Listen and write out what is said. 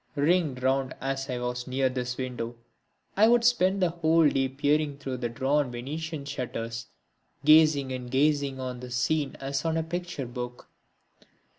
Ringed round as I was near this window I would spend the whole day peering through the drawn Venetian shutters, gazing and gazing on this scene as on a picture book.